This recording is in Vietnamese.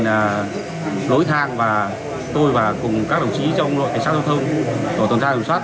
và lối thang và tôi và cùng các đồng chí trong đội cảnh sát giao thông của tổ tổn trang kiểm soát